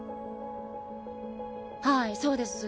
はいそうです。